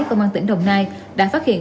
công an tỉnh đồng nai đã phát hiện